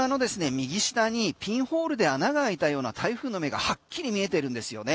右下にピンホールで穴が開いたような台風の目がはっきり見えてるんですよね。